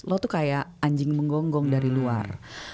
lo tuh kayak anjing menggonggong dari luar